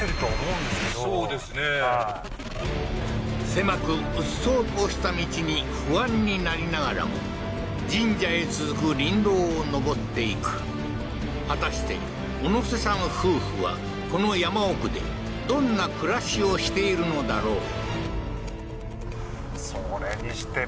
狭くうっそうとした道に不安になりながらも神社へ続く林道を上っていく果たしてオノセさん夫婦はこの山奥でどんな暮らしをしているのだろう？